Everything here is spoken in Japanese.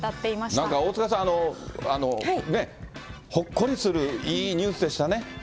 なんか大塚さん、ほっこりするいいニュースでしたね。